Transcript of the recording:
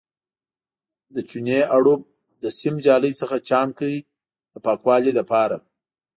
د چونې اړوب له سیم جالۍ څخه چاڼ کړئ د پاکوالي لپاره.